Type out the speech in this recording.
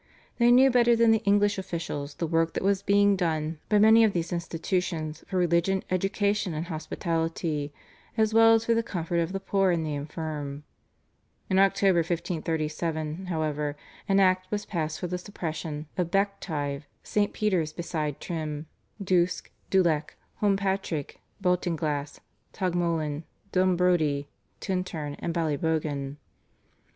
They knew better than the English officials the work that was being done by many of these institutions for religion, education, and hospitality, as well as for the comfort of the poor and the infirm. In October 1537, however, an act was passed for the suppression of Bective, St. Peter's beside Trime, Duisk, Duleek, Holmpatrick, Baltinglass, Taghmolin, Dunbrody, Tintern, and Ballybogan.